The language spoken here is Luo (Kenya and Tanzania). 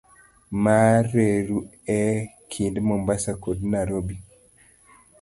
mar reru e kind Mombasa kod Nairobi